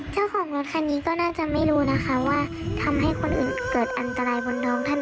เจ้าของรถคันนี้ก็น่าจะไม่รู้นะคะว่าทำให้คนอื่นเกิดอันตรายบนท้องถนน